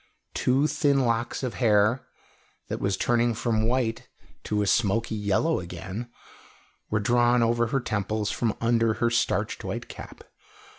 Two thin locks of hair, that was turning from white to a smoky yellow again, were drawn over her temples from under her starched white cap.